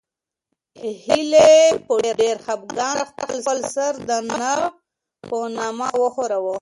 هیلې په ډېر خپګان سره خپل سر د نه په مانا وښوراوه.